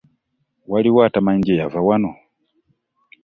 Waliwo atamanyi gye yava wano?